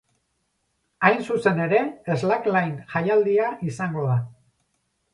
Hain zuzen ere, slackline jaialdia izango da.